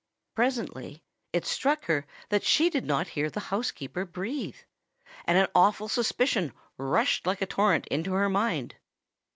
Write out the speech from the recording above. Presently it struck her that she did not hear the housekeeper breathe; and an awful suspicion rushed like a torrent into her mind.